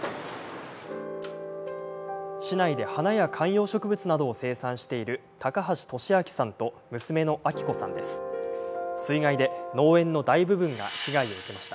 市内で花や観葉植物などを生産している高橋敏明さんと娘の明子さんです。